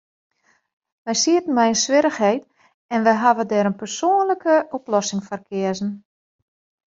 Wy sieten mei in swierrichheid, en wy hawwe dêr in persoanlike oplossing foar keazen.